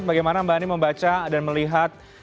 bagaimana mbak ani membaca dan melihat